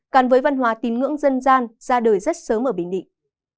càn với văn hóa tìm ngưỡng dân gian ra đời rất sớm ở bình định